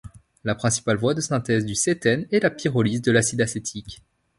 La principale voie de synthèse du cétène est la pyrolyse de l'acide acétique.